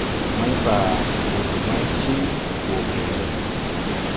Maybaa wɔ de maychin wo geeré.